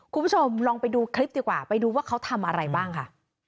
คุณผู้ชมลองไปดูคลิปดีกว่าไปดูว่าเขาทำอะไรบ้างค่ะ